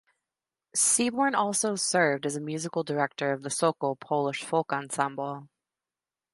Seaborn also served as a musical director of the Sokol Polish Folk Ensemble.